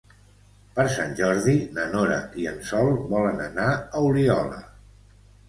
Per Sant Jordi na Nora i en Sol volen anar a Oliola.